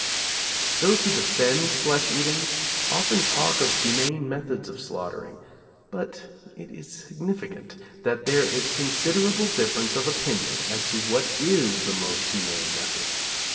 Those who defend flesh eating often talk of humane methods of slaughtering; but it is significant that there is considerable difference of opinion as to what is the most humane method.